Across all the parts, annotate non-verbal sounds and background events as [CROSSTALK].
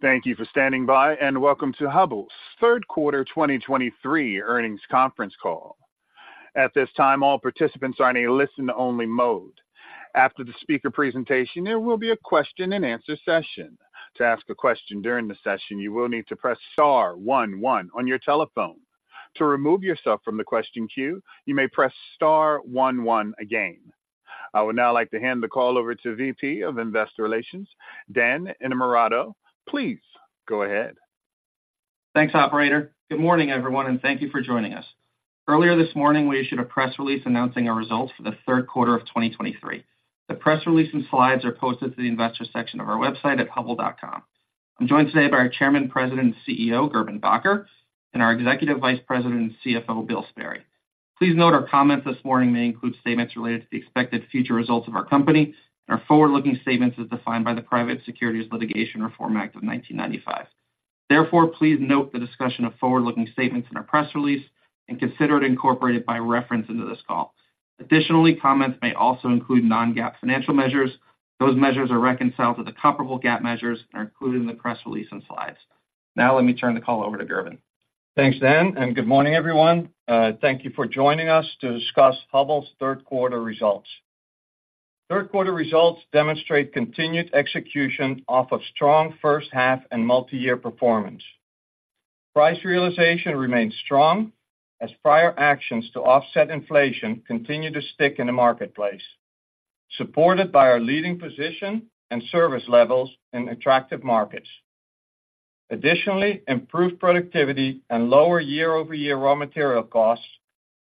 Thank you for standing by, and welcome to Hubbell's third quarter 2023 earnings conference call. At this time, all participants are in a listen-only mode. After the speaker presentation, there will be a question-and-answer session. To ask a question during the session, you will need to press star one one on your telephone. To remove yourself from the question queue, you may press star one one again. I would now like to hand the call over to VP of Investor Relations, Dan Innamorato. Please go ahead. Thanks, operator. Good morning, everyone, and thank you for joining us. Earlier this morning, we issued a press release announcing our results for the third quarter of 2023. The press release and slides are posted to the investor section of our website at hubbell.com. I'm joined today by our Chairman, President, and CEO, Gerben Bakker, and our Executive Vice President and CFO, Bill Sperry. Please note our comments this morning may include statements related to the expected future results of our company and are forward-looking statements as defined by the Private Securities Litigation Reform Act of 1995. Therefore, please note the discussion of forward-looking statements in our press release and consider it incorporated by reference into this call. Additionally, comments may also include non-GAAP financial measures. Those measures are reconciled to the comparable GAAP measures and are included in the press release and slides. Now, let me turn the call over to Gerben. Thanks, Dan, and good morning, everyone. Thank you for joining us to discuss Hubbell's third quarter results. Third quarter results demonstrate continued execution off of strong first half and multi-year performance. Price realization remains strong as prior actions to offset inflation continue to stick in the marketplace, supported by our leading position and service levels in attractive markets. Additionally, improved productivity and lower year-over-year raw material costs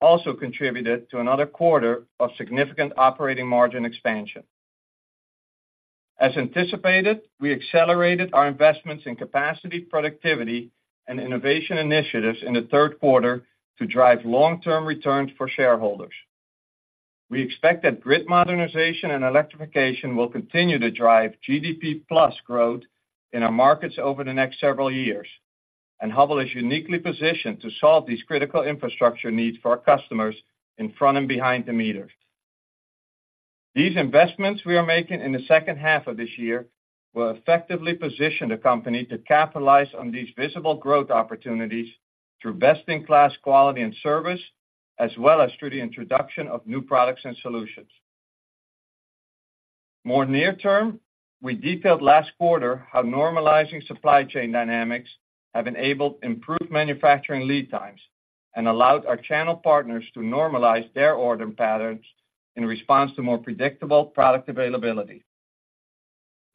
also contributed to another quarter of significant operating margin expansion. As anticipated, we accelerated our investments in capacity, productivity, and innovation initiatives in the third quarter to drive long-term returns for shareholders. We expect that grid modernization and electrification will continue to drive GDP+ growth in our markets over the next several years, and Hubbell is uniquely positioned to solve these critical infrastructure needs for our customers in front and behind the meters. These investments we are making in the second half of this year will effectively position the company to capitalize on these visible growth opportunities through best-in-class quality and service, as well as through the introduction of new products and solutions. More near term, we detailed last quarter how normalizing supply chain dynamics have enabled improved manufacturing lead times and allowed our channel partners to normalize their order patterns in response to more predictable product availability.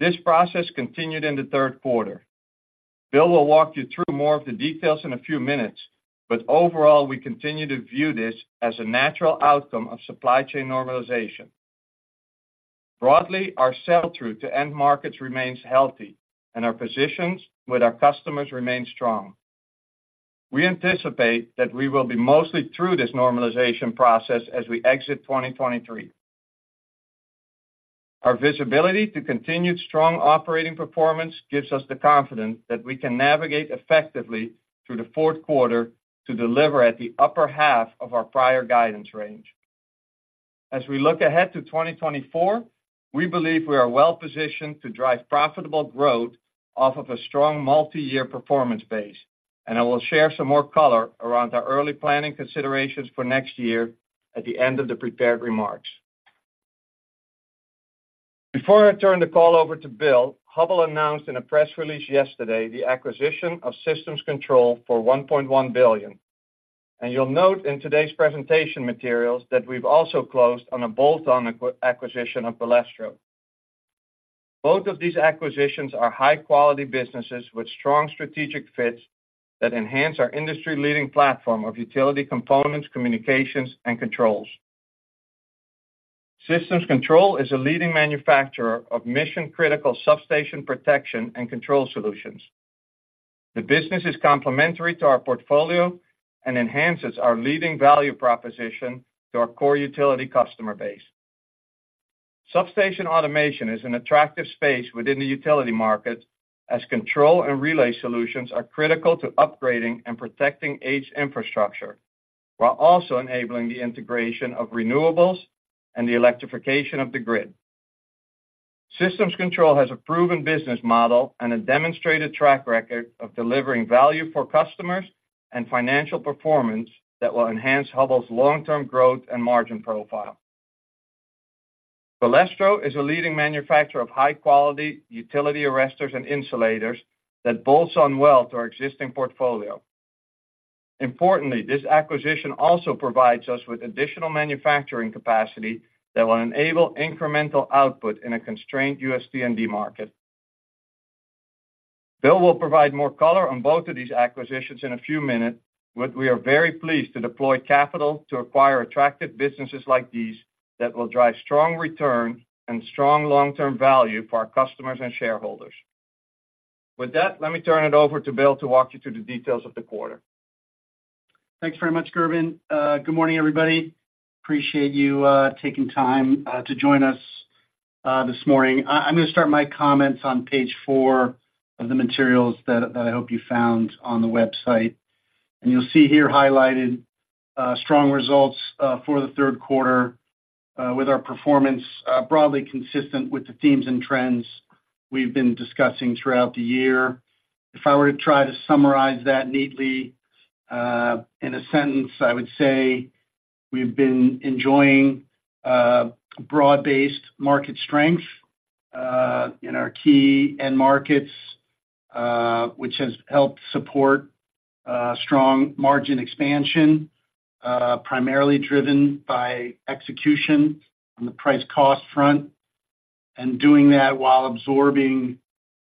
This process continued in the third quarter. Bill will walk you through more of the details in a few minutes, but overall, we continue to view this as a natural outcome of supply chain normalization. Broadly, our sell-through to end markets remains healthy, and our positions with our customers remain strong. We anticipate that we will be mostly through this normalization process as we exit 2023. Our visibility to continued strong operating performance gives us the confidence that we can navigate effectively through the fourth quarter to deliver at the upper half of our prior guidance range. As we look ahead to 2024, we believe we are well positioned to drive profitable growth off of a strong multi-year performance base, and I will share some more color around our early planning considerations for next year at the end of the prepared remarks. Before I turn the call over to Bill, Hubbell announced in a press release yesterday the acquisition of Systems Control for $1.1 billion. You'll note in today's presentation materials that we've also closed on a bolt-on acquisition of Balestro. Both of these acquisitions are high-quality businesses with strong strategic fits that enhance our industry-leading platform of utility components, communications, and controls. Systems Control is a leading manufacturer of mission-critical substation protection and control solutions. The business is complementary to our portfolio and enhances our leading value proposition to our core utility customer base. Substation automation is an attractive space within the utility market, as control and relay solutions are critical to upgrading and protecting aged infrastructure, while also enabling the integration of renewables and the electrification of the grid. Systems Control has a proven business model and a demonstrated track record of delivering value for customers and financial performance that will enhance Hubbell's long-term growth and margin profile. Balestro is a leading manufacturer of high-quality utility arresters and insulators that bolts on well to our existing portfolio. Importantly, this acquisition also provides us with additional manufacturing capacity that will enable incremental output in a constrained T&D market. Bill will provide more color on both of these acquisitions in a few minutes, but we are very pleased to deploy capital to acquire attractive businesses like these that will drive strong return and strong long-term value for our customers and shareholders. With that, let me turn it over to Bill to walk you through the details of the quarter. Thanks very much, Gerben. Good morning, everybody. Appreciate you taking time to join us this morning. I'm going to start my comments on page 4 of the materials that I hope you found on the website. You'll see here highlighted, strong results, for the third quarter, with our performance, broadly consistent with the themes and trends we've been discussing throughout the year. If I were to try to summarize that neatly, in a sentence, I would say we've been enjoying, broad-based market strength, in our key end markets, which has helped support, strong margin expansion, primarily driven by execution on the price-cost front, and doing that while absorbing,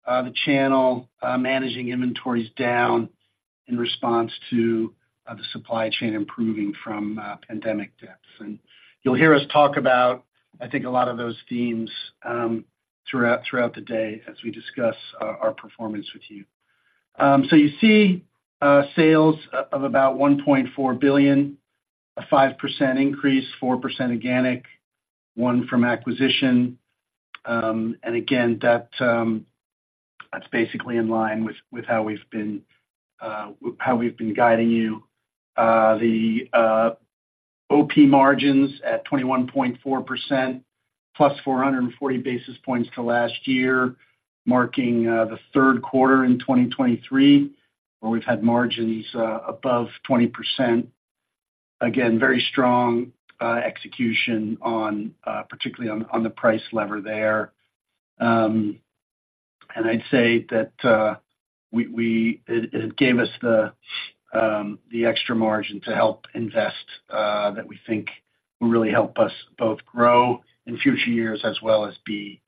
the channel, managing inventories down in response to, the supply chain improving from, pandemic depths. You'll hear us talk about, I think, a lot of those themes, throughout the day as we discuss our performance with you. So you see, sales of about $1.4 billion, a 5% increase, 4% organic, 1% from acquisition. And again, that's basically in line with how we've been guiding you. The OP margins at 21.4%, plus 440 basis points to last year, marking the third quarter in 2023, where we've had margins above 20%. Again, very strong execution, particularly on the price lever there. And I'd say that it gave us the extra margin to help invest that we think will really help us both grow in future years as well as be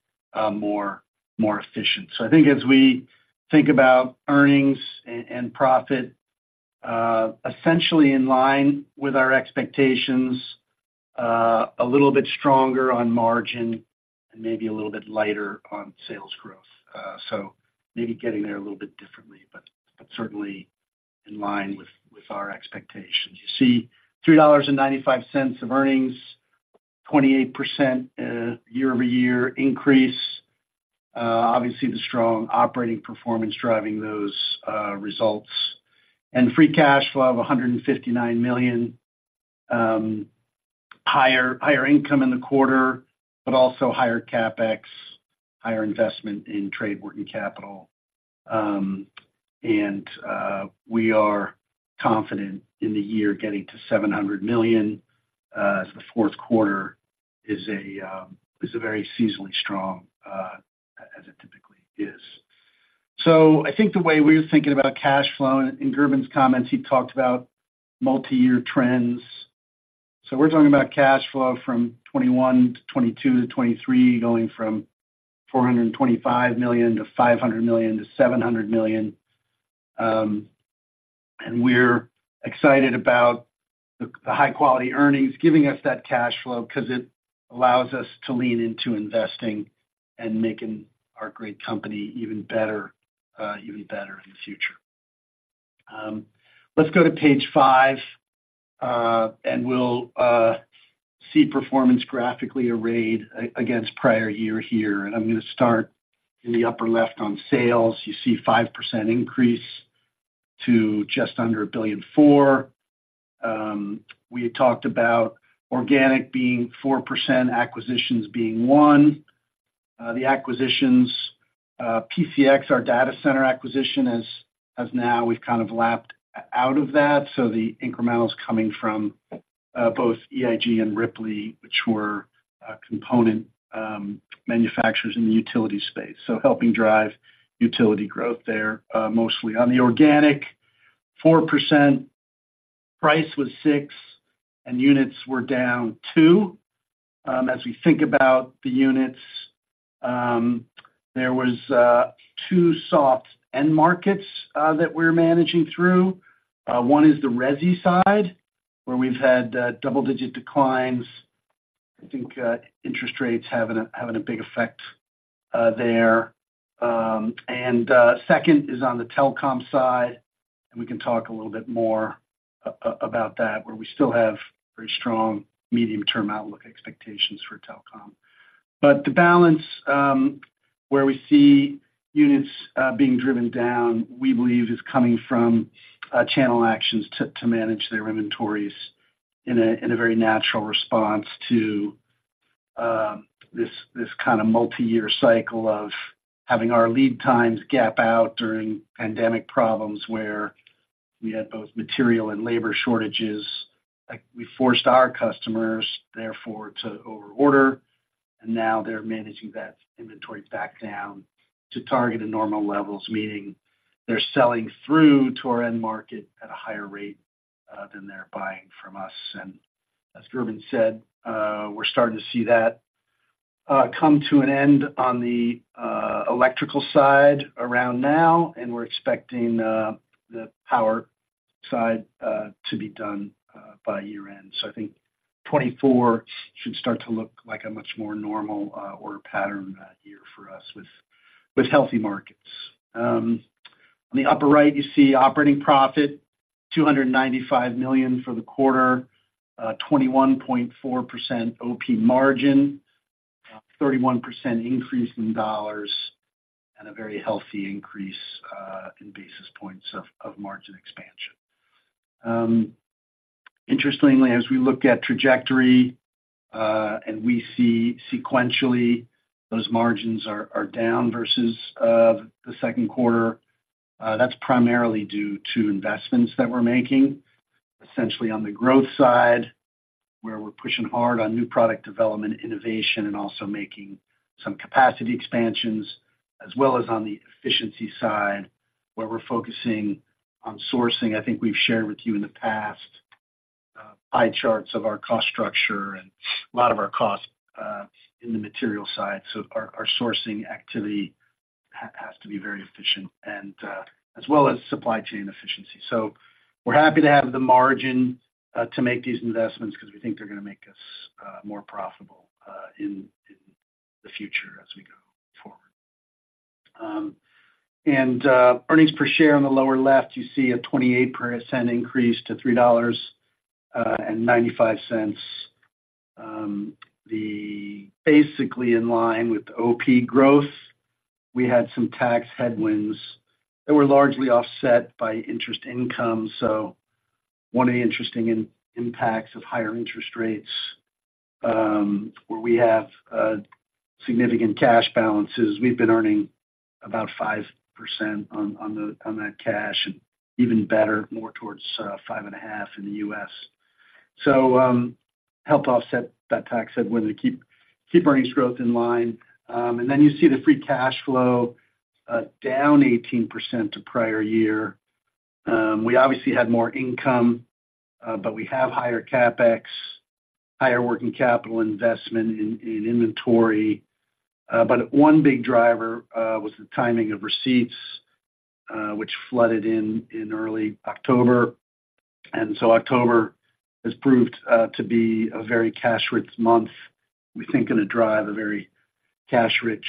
more efficient. So I think as we think about earnings and profit, essentially in line with our expectations, a little bit stronger on margin and maybe a little bit lighter on sales growth. So maybe getting there a little bit differently, but certainly in line with our expectations. You see $3.95 of earnings, 28% year-over-year increase. Obviously, the strong operating performance driving those results. And free cash flow of $159 million, higher income in the quarter, but also higher CapEx, higher investment in trade working capital. And we are confident in the year getting to $700 million, as the fourth quarter is a very seasonally strong, as it typically is. So I think the way we're thinking about cash flow, and in Gerben's comments, he talked about multi-year trends. So we're talking about cash flow from 2021 to 2022 to 2023, going from $425 million to $500 million to $700 million. And we're excited about the high-quality earnings giving us that cash flow 'cause it allows us to lean into investing and making our great company even better, even better in the future. Let's go to page 5, and we'll see performance graphically arrayed against prior year here, and I'm gonna start in the upper left on sales. You see 5% increase to just under $1.04 billion. We had talked about organic being 4%, acquisitions being 1%. The acquisitions, PCX, our data center acquisition, as now we've kind of lapped out of that, so the incremental is coming from both EIG and Ripley, which were component manufacturers in the utility space. So helping drive utility growth there, mostly. On the organic, 4%, price was 6%, and units were down 2%. As we think about the units, there was 2 soft end markets that we're managing through. One is the resi side, where we've had double-digit declines. I think interest rates having a big effect there. And second is on the telecom side, and we can talk a little bit more about that, where we still have very strong medium-term outlook expectations for telecom. But the balance, where we see units being driven down, we believe is coming from channel actions to manage their inventories in a very natural response to this kinda multi-year cycle of having our lead times gap out during pandemic problems, where we had both material and labor shortages. Like, we forced our customers, therefore, to overorder, and now they're managing that inventory back down to target the normal levels, meaning they're selling through to our end market at a higher rate than they're buying from us. As Gerben said, we're starting to see that come to an end on the electrical side around now, and we're expecting the power side to be done by year-end. So I think 2024 should start to look like a much more normal order pattern that year for us with healthy markets. On the upper right, you see operating profit, $295 million for the quarter, 21.4% OP margin. 31% increase in dollars and a very healthy increase in basis points of margin expansion. Interestingly, as we look at trajectory and we see sequentially, those margins are down versus the second quarter, that's primarily due to investments that we're making, essentially on the growth side, where we're pushing hard on new product development, innovation, and also making some capacity expansions, as well as on the efficiency side, where we're focusing on sourcing. I think we've shared with you in the past, pie charts of our cost structure and a lot of our costs, in the material side. So our sourcing activity has to be very efficient and, as well as supply chain efficiency. So we're happy to have the margin, to make these investments because we think they're going to make us, more profitable, in the future as we go forward. And, earnings per share on the lower left, you see a 28% increase to $3.95. Basically in line with the OP growth, we had some tax headwinds that were largely offset by interest income. So one of the interesting impacts of higher interest rates, where we have significant cash balances, we've been earning about 5% on that cash, and even better, more towards 5.5% in the US. So helped offset that tax headwind to keep earnings growth in line. And then you see the free cash flow down 18% to prior year. We obviously had more income, but we have higher CapEx, higher working capital investment in inventory. But one big driver was the timing of receipts, which flooded in early October. And so October has proved to be a very cash-rich month. We think going to drive a very cash-rich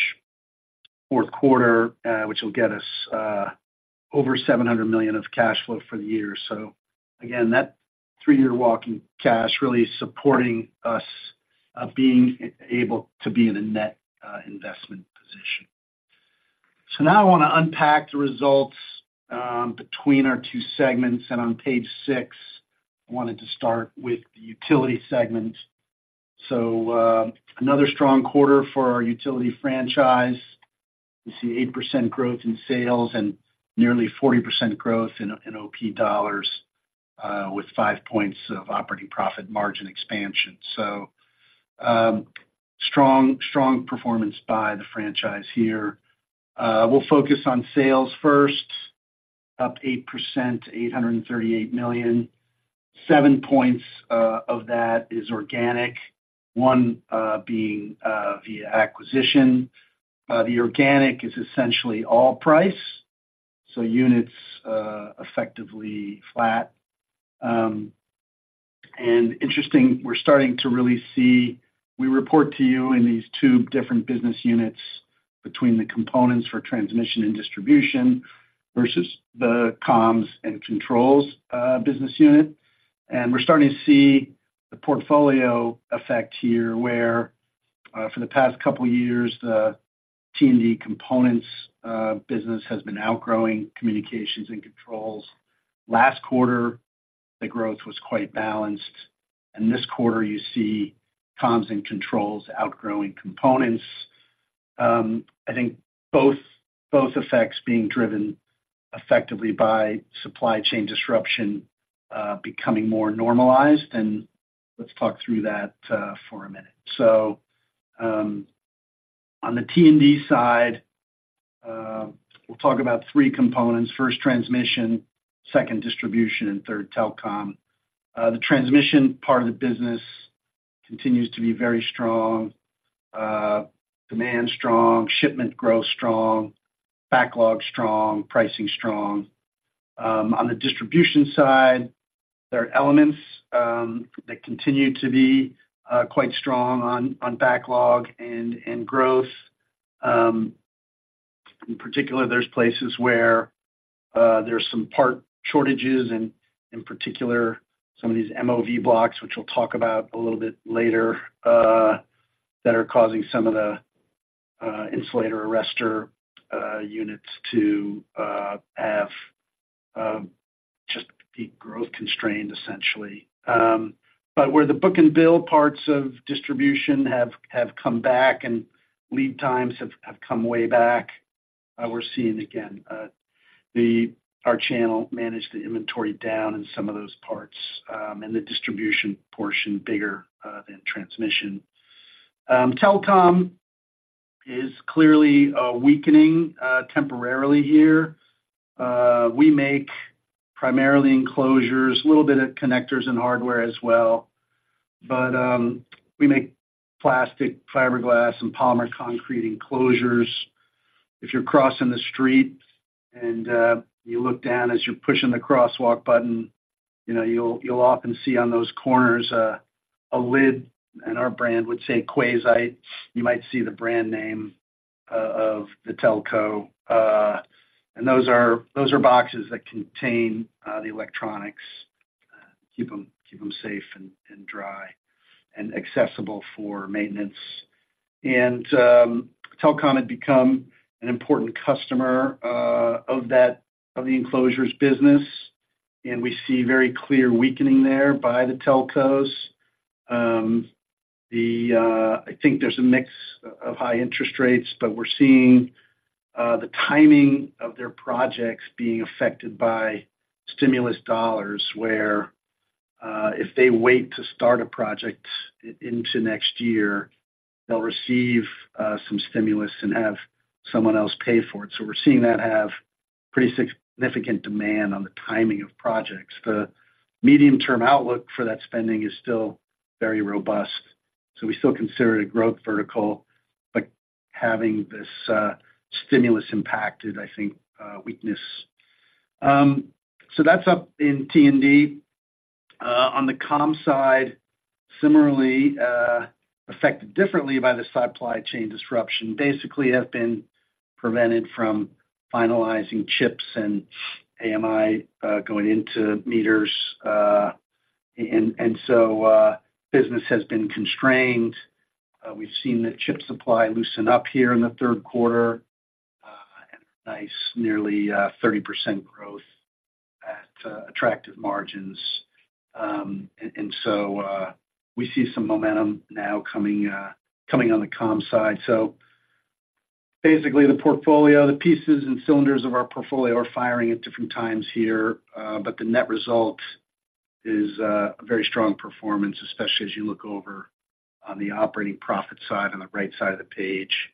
fourth quarter, which will get us over $700 million of cash flow for the year. So again, that 3-year working cash really is supporting us, being able to be in a net investment position. So now I want to unpack the results between our two segments, and on page six, I wanted to start with the utility segment. So, another strong quarter for our utility franchise. You see 8% growth in sales and nearly 40% growth in OP dollars, with 5 points of operating profit margin expansion. So, strong, strong performance by the franchise here. We'll focus on sales first, up 8%, $838 million. 7 points of that is organic, 1 being via acquisition. The organic is essentially all price, so units effectively flat. And interesting, we're starting to really see—we report to you in these two different business units between the components for transmission and distribution versus the comms and controls business unit. We're starting to see the portfolio effect here, where, for the past couple of years, the T&D components business has been outgrowing communications and controls. Last quarter, the growth was quite balanced, and this quarter, you see comms and controls outgrowing components. I think both, both effects being driven effectively by supply chain disruption becoming more normalized, and let's talk through that for a minute. On the T&D side, we'll talk about three components: first, transmission, second, distribution, and third, telecom. The transmission part of the business continues to be very strong. Demand strong, shipment growth strong, backlog strong, pricing strong. On the distribution side, there are elements that continue to be quite strong on backlog and growth. In particular, there's places where there's some part shortages and, in particular, some of these MOV blocks, which we'll talk about a little bit later, that are causing some of the insulator arrester units to just be growth-constrained, essentially. But where the book and bill parts of distribution have come back and lead times have come way back, we're seeing again our channel manage the inventory down in some of those parts, and the distribution portion bigger than transmission. Telecom is clearly weakening temporarily here. We make primarily enclosures, a little bit of connectors and hardware as well, but we make plastic, fiberglass, and polymer concrete enclosures. If you're crossing the street and you look down as you're pushing the crosswalk button, you know, you'll often see on those corners a lid, and our brand would say, Quazite. You might see the brand name of the telco. And those are boxes that contain the electronics, keep them safe and dry and accessible for maintenance. And, telecom had become an important customer of that, of the enclosures business, and we see very clear weakening there by the telcos. I think there's a mix of high interest rates, but we're seeing the timing of their projects being affected by stimulus dollars, where if they wait to start a project into next year, they'll receive some stimulus and have someone else pay for it. So we're seeing that have pretty significant demand on the timing of projects. The medium-term outlook for that spending is still very robust, so we still consider it a growth vertical, but having this stimulus impacted, I think weakness. So that's up in T&D. On the comms side, similarly affected differently by the supply chain disruption, basically have been prevented from finalizing chips and AMI going into meters. And so business has been constrained. We've seen the chip supply loosen up here in the third quarter, and a nice nearly 30% growth at attractive margins. And so we see some momentum now coming on the comms side. So basically, the portfolio, the pieces and cylinders of our portfolio are firing at different times here, but the net result is a very strong performance, especially as you look over on the operating profit side, on the right side of the page.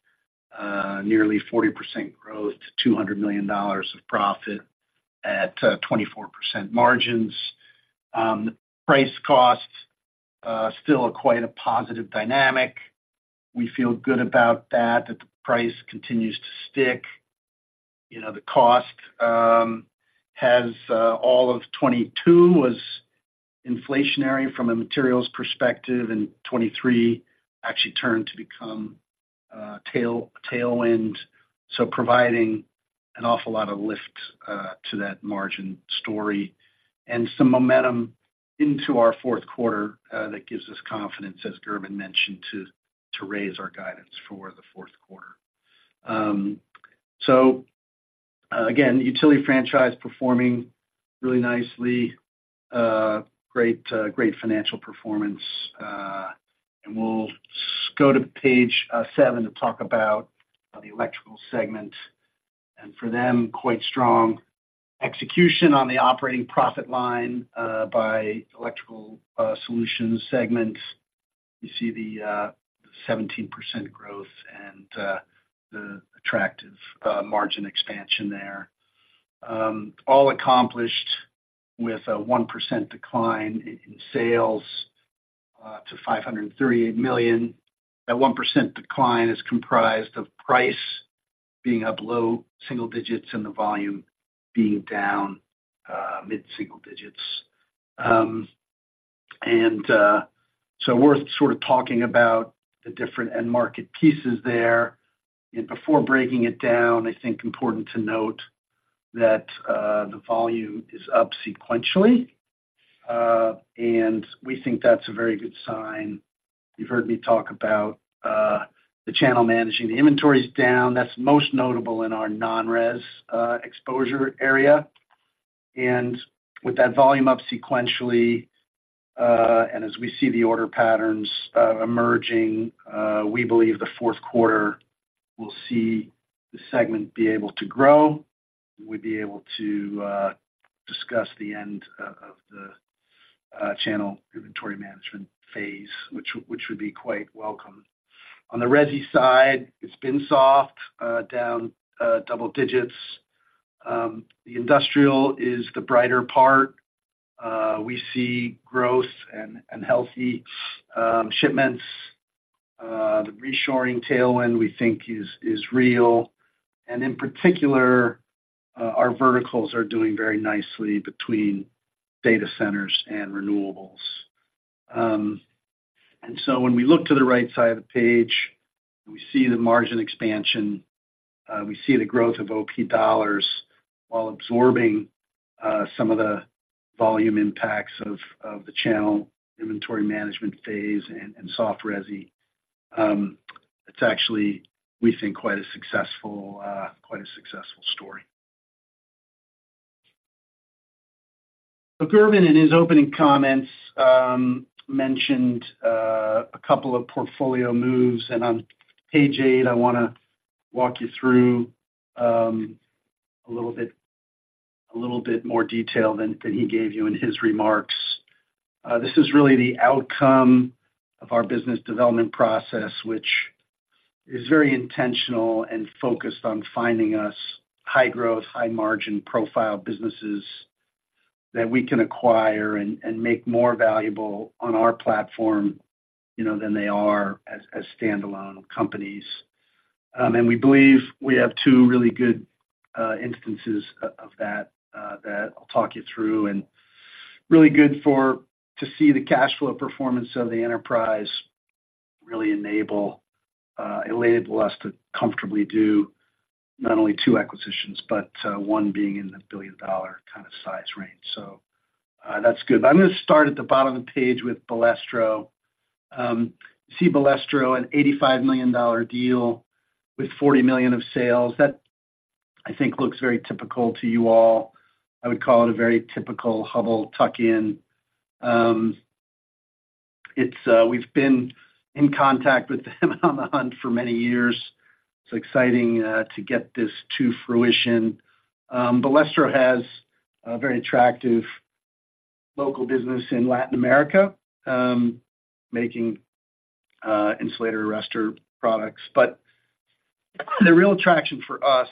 Nearly 40% growth to $200 million of profit at 24% margins. Price costs still quite a positive dynamic. We feel good about that, that the price continues to stick. You know, the cost has all of 2022 was inflationary from a materials perspective, and 2023 actually turned to become a tailwind. So providing an awful lot of lift to that margin story and some momentum into our fourth quarter that gives us confidence, as Gerben mentioned, to raise our guidance for the fourth quarter. So again, utility franchise performing really nicely, great, great financial performance. We'll go to page 7 to talk about the electrical segment. For them, quite strong execution on the operating profit line by Electrical Solutions segment. You see the 17% growth and the attractive margin expansion there. All accomplished with a 1% decline in sales to $538 million. That 1% decline is comprised of price being up low single digits, and the volume being down mid-single digits. So worth sort of talking about the different end market pieces there. Before breaking it down, I think important to note that the volume is up sequentially, and we think that's a very good sign. You've heard me talk about the channel managing the inventory is down. That's most notable in our non-res exposure area. And with that volume up sequentially, and as we see the order patterns emerging, we believe the fourth quarter will see the segment be able to grow. We'll be able to discuss the end of the channel inventory management phase, which would be quite welcome. On the resi side, it's been soft, down double digits. The industrial is the brighter part. We see growth and healthy shipments. The reshoring tailwind we think is real, and in particular, our verticals are doing very nicely between data centers and renewables. And so when we look to the right side of the page, we see the margin expansion, we see the growth of OP dollars while absorbing some of the volume impacts of the channel inventory management phase and soft resi. It's actually, we think, quite a successful, quite a successful story. So Gerben, in his opening comments, mentioned a couple of portfolio moves, and on page 8, I want to walk you through a little bit more detail than he gave you in his remarks. This is really the outcome of our business development process, which is very intentional and focused on finding us high-growth, high-margin profile businesses that we can acquire and make more valuable on our platform, you know, than they are as standalone companies. And we believe we have two really good instances of that that I'll talk you through. And really good for to see the cash flow performance of the enterprise. Really enable it enable us to comfortably do not only two acquisitions, but one being in the billion-dollar kind of size range. So that's good. I'm gonna start at the bottom of the page with Balestro. You see Balestro, an $85 million deal with $40 million of sales. That, I think, looks very typical to you all. I would call it a very typical Hubbell tuck-in. It's we've been in contact with them on and on for many years. It's exciting to get this to fruition. Balestro has a very attractive local business in Latin America making insulator arrester products. But the real attraction for us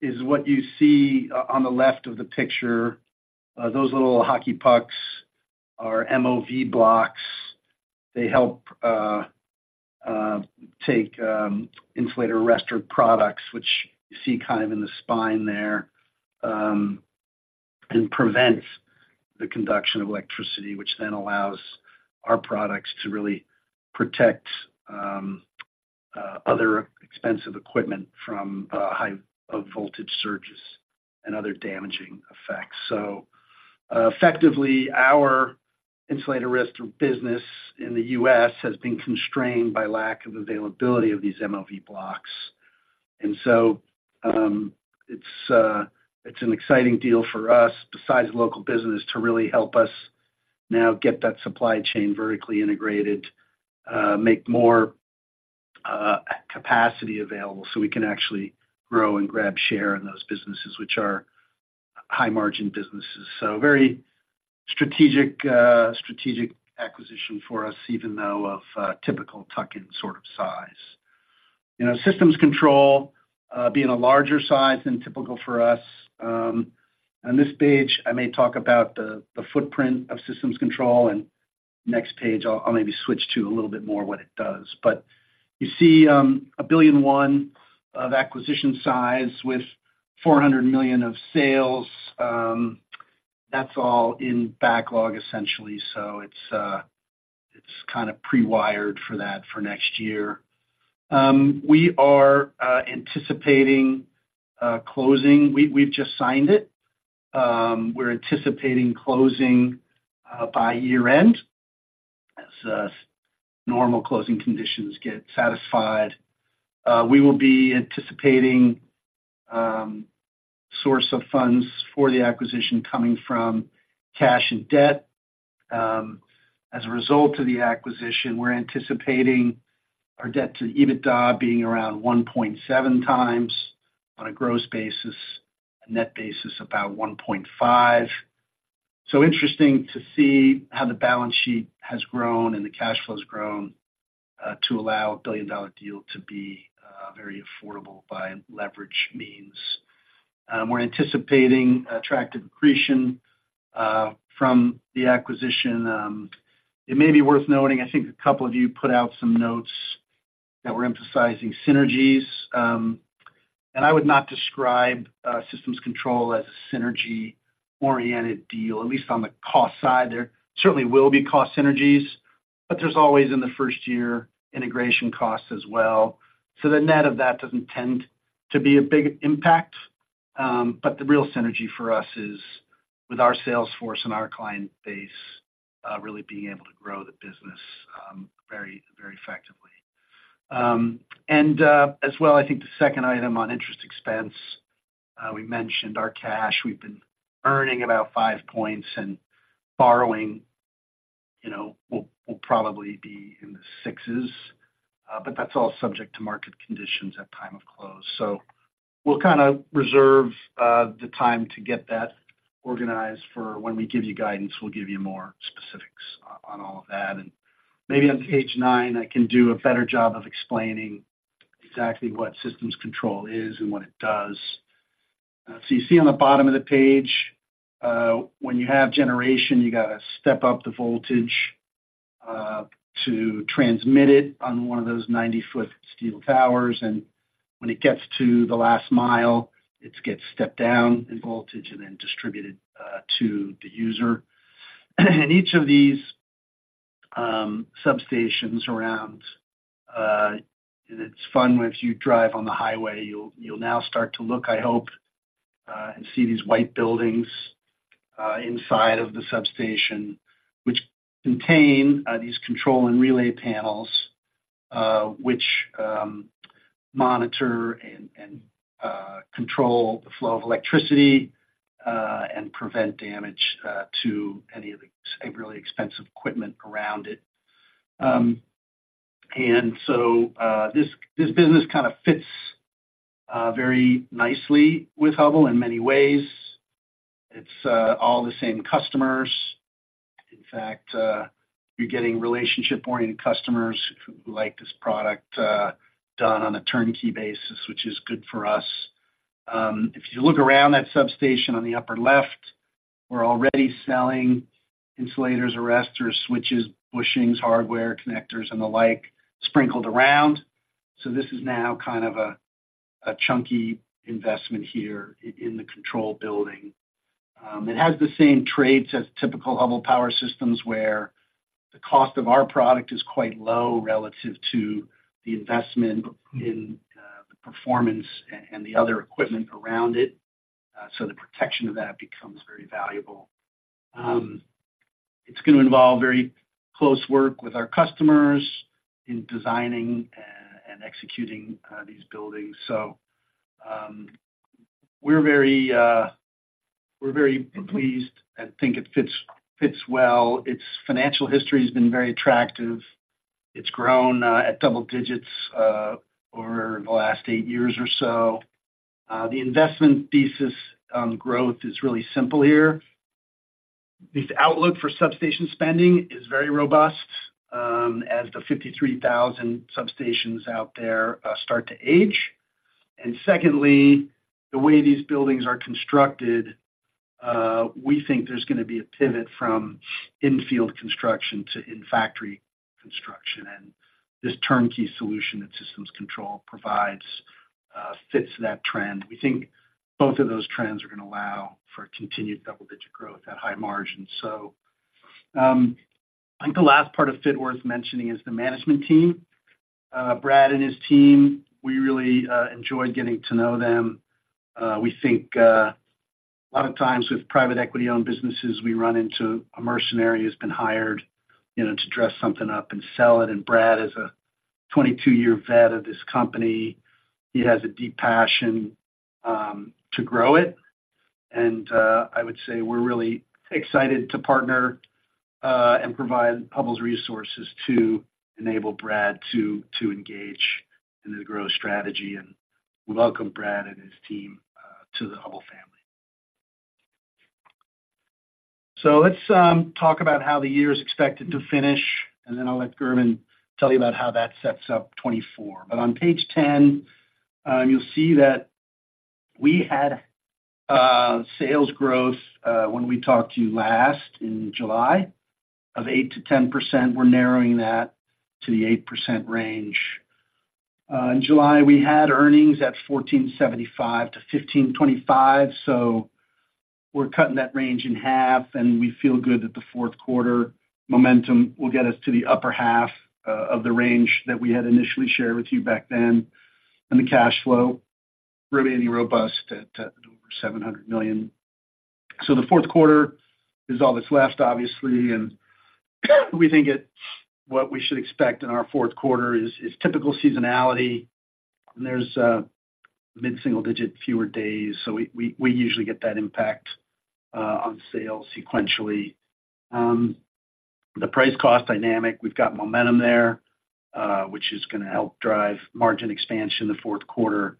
is what you see on the left of the picture. Those little hockey pucks are MOV blocks. They help take insulator arrester products, which you see kind of in the spine there, and prevents the conduction of electricity, which then allows our products to really protect other expensive equipment from high voltage surges and other damaging effects. So, effectively, our insulator arrester business in the U.S. has been constrained by lack of availability of these MOV blocks. And so, it's an exciting deal for us, besides local business, to really help us now get that supply chain vertically integrated, make more capacity available so we can actually grow and grab share in those businesses, which are high-margin businesses. So very strategic, strategic acquisition for us, even though of typical tuck-in sort of size. You know, Systems Control being a larger size than typical for us. On this page, I may talk about the footprint of Systems Control, and next page, I'll maybe switch to a little bit more what it does. But you see, $1.1 billion acquisition size with $400 million of sales, that's all in backlog, essentially, so it's kind of pre-wired for that for next year. We are anticipating closing... We've just signed it. We're anticipating closing by year-end, as normal closing conditions get satisfied. We will be anticipating source of funds for the acquisition coming from cash and debt. As a result of the acquisition, we're anticipating our debt to EBITDA being around 1.7 times on a gross basis, a net basis, about 1.5. So interesting to see how the balance sheet has grown and the cash flow has grown to allow a billion-dollar deal to be very affordable by leverage means. We're anticipating attractive accretion from the acquisition. It may be worth noting, I think a couple of you put out some notes that we're emphasizing synergies. And I would not describe Systems Control as a synergy-oriented deal, at least on the cost side. There certainly will be cost synergies, but there's always in the first year, integration costs as well. So the net of that doesn't tend to be a big impact, but the real synergy for us is with our sales force and our client base, really being able to grow the business, very, very effectively. And as well, I think the second item on interest expense, we mentioned our cash. We've been earning about 5 points, and borrowing, you know, will probably be in the 6s, but that's all subject to market conditions at time of close. So we'll kinda reserve the time to get that organized for when we give you guidance; we'll give you more specifics on all of that. And maybe on page nine, I can do a better job of explaining exactly what Systems Control is and what it does. So you see on the bottom of the page, when you have generation, you got to step up the voltage, to transmit it on one of those 90-foot steel towers, and when it gets to the last mile, it gets stepped down in voltage and then distributed, to the user. And each of these substations around. And it's fun when you drive on the highway, you'll now start to look, I hope, and see these white buildings inside of the substation, which contain these control and relay panels, which monitor and control the flow of electricity, and prevent damage to any of the really expensive equipment around it. And so, this business kind of fits very nicely with Hubbell in many ways. It's all the same customers. In fact, you're getting relationship-oriented customers who like this product done on a turnkey basis, which is good for us. If you look around that substation on the upper left, we're already selling insulators, arresters, switches, bushings, hardware, connectors, and the like, sprinkled around. So this is now kind of a chunky investment here in the control building. It has the same traits as typical Hubbell Power Systems, where the cost of our product is quite low relative to the investment in the performance and the other equipment around it. So the protection of that becomes very valuable. It's gonna involve very close work with our customers in designing and executing these buildings. So, we're very pleased and think it fits well. Its financial history has been very attractive. It's grown at double digits over the last 8 years or so. The investment thesis on growth is really simple here. The outlook for substation spending is very robust, as the 53,000 substations out there start to age. And secondly, the way these buildings are constructed, we think there's gonna be a pivot from in-field construction to in-factory construction. And this turnkey solution that Systems Control provides fits that trend. We think both of those trends are gonna allow for continued double-digit growth at high margins. So, I think the last part of fit worth mentioning is the management team. Brad and his team, we really enjoyed getting to know them. We think a lot of times with private equity-owned businesses, we run into a mercenary who's been hired, you know, to dress something up and sell it. And Brad is a 22-year vet of this company. He has a deep passion to grow it, and I would say we're really excited to partner and provide Hubbell's resources to enable Brad to engage in his growth strategy, and we welcome Brad and his team to the Hubbell family. So let's talk about how the year is expected to finish, and then I'll let Gerben tell you about how that sets up 2024. But on page 10, you'll see that we had sales growth when we talked to you last in July, of 8%-10%. We're narrowing that to the 8% range. In July, we had earnings at $14.75-$15.25, so we're cutting that range in half, and we feel good that the fourth quarter momentum will get us to the upper half of the range that we had initially shared with you back then. And the cash flow remaining robust at over $700 million. So the fourth quarter is all that's left, obviously, and we think what we should expect in our fourth quarter is typical seasonality, and there's mid-single digit fewer days, so we usually get that impact on sales sequentially. The price-cost dynamic, we've got momentum there, which is gonna help drive margin expansion in the fourth quarter.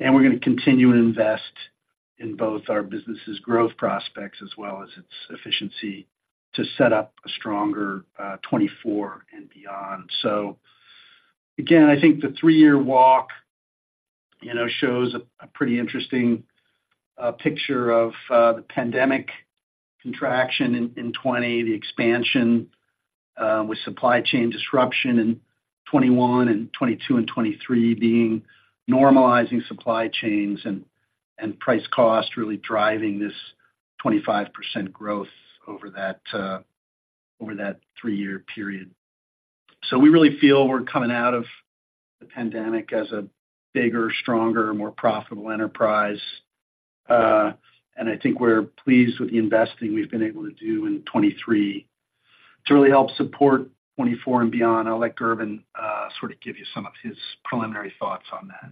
And we're gonna continue to invest in both our business's growth prospects as well as its efficiency, to set up a stronger 2024 and beyond. So again, I think the three-year walk, you know, shows a pretty interesting picture of the pandemic contraction in 2020, the expansion with supply chain disruption in 2021 and 2022 and 2023 being normalizing supply chains and price cost really driving this 25% growth over that three-year period. So we really feel we're coming out of the pandemic as a bigger, stronger, more profitable enterprise. I think we're pleased with the investing we've been able to do in 2023 to really help support 2024 and beyond. I'll let Gerben sort of give you some of his preliminary thoughts on that.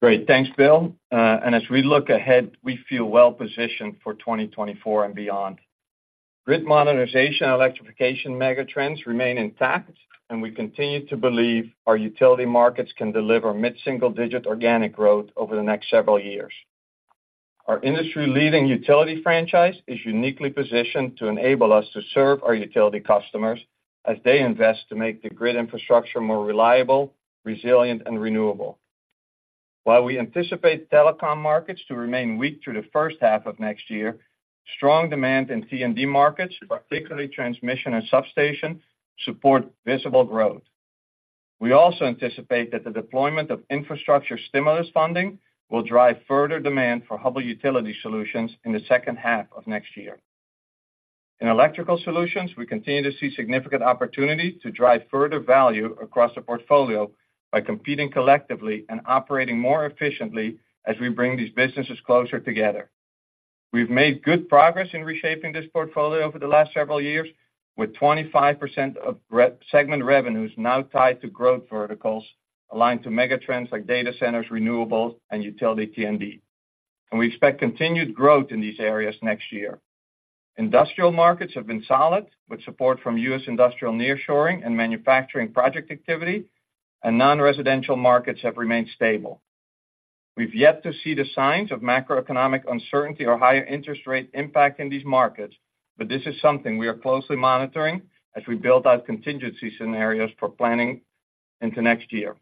Great. Thanks, Bill, and as we look ahead, we feel well positioned for 2024 and beyond. Grid modernization and electrification megatrends remain intact, and we continue to believe our utility markets can deliver mid-single-digit organic growth over the next several years. Our industry-leading utility franchise is uniquely positioned to enable us to serve our utility customers as they invest to make the grid infrastructure more reliable, resilient and renewable. While we anticipate telecom markets to remain weak through the first half of next year, strong demand in T&D markets, particularly transmission and substation, support visible growth. We also anticipate that the deployment of infrastructure stimulus funding will drive further demand for Hubbell utility solutions in the second half of next year. In Electrical Solutions, we continue to see significant opportunity to drive further value across the portfolio by competing collectively and operating more efficiently as we bring these businesses closer together. We've made good progress in reshaping this portfolio over the last several years, with 25% of re-segment revenues now tied to growth verticals aligned to megatrends like data centers, renewables and utility T&D, and we expect continued growth in these areas next year. Industrial markets have been solid, with support from U.S. industrial nearshoring and manufacturing project activity, and non-residential markets have remained stable. We've yet to see the signs of macroeconomic uncertainty or higher interest rate impacting these markets, but this is something we are closely monitoring as we build out contingency scenarios for planning into next year.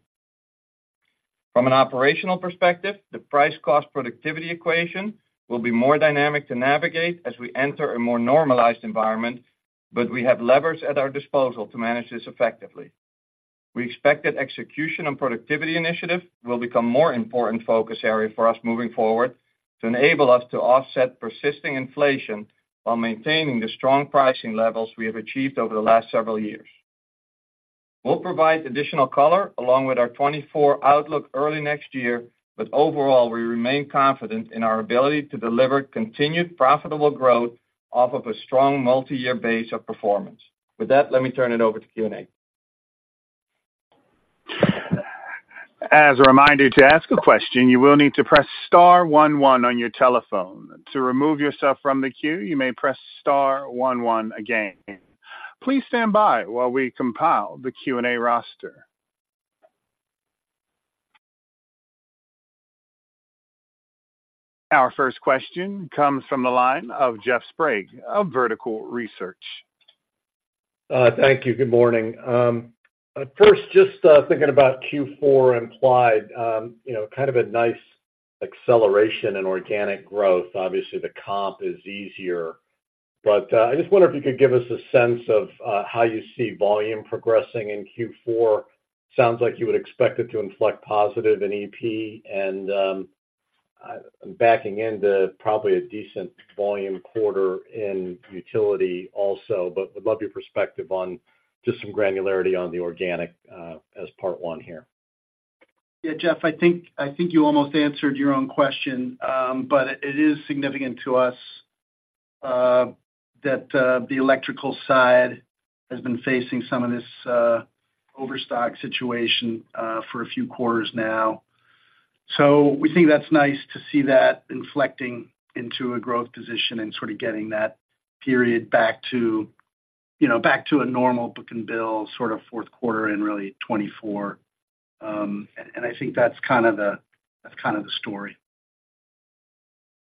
From an operational perspective, the price-cost productivity equation will be more dynamic to navigate as we enter a more normalized environment, but we have levers at our disposal to manage this effectively.... We expect that execution and productivity initiative will become more important focus area for us moving forward, to enable us to offset persisting inflation while maintaining the strong pricing levels we have achieved over the last several years. We'll provide additional color along with our 2024 outlook early next year, but overall, we remain confident in our ability to deliver continued profitable growth off of a strong multi-year base of performance. With that, let me turn it over to Q&A. As a reminder, to ask a question, you will need to press star one one on your telephone. To remove yourself from the queue, you may press star one one again. Please stand by while we compile the Q&A roster. Our first question comes from the line of Jeff Sprague of Vertical Research. Thank you. Good morning. First, just thinking about Q4 implied, you know, kind of a nice acceleration in organic growth. Obviously, the comp is easier, but I just wonder if you could give us a sense of how you see volume progressing in Q4. Sounds like you would expect it to inflect positive in EP and backing into probably a decent volume quarter in utility also, but would love your perspective on just some granularity on the organic as part one here. Yeah, Jeff, I think, I think you almost answered your own question, but it is significant to us, that the electrical side has been facing some of this, overstock situation, for a few quarters now. So we think that's nice to see that inflecting into a growth position and sort of getting that period back to, you know, back to a normal book and bill, sort of fourth quarter and really 2024. And I think that's kind of the, that's kind of the story.